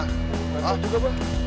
nggak tahu juga ba